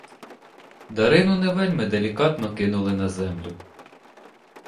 Дарину не вельми делікатно кинули на землю.